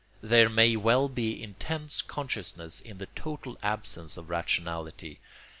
There may well be intense consciousness in the total absence of rationality.